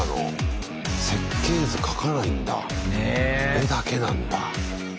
絵だけなんだ。